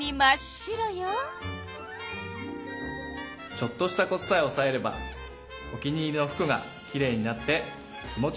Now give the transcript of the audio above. ちょっとしたコツさえおさえればお気に入りの服がきれいになって気持ちよく着られますよ。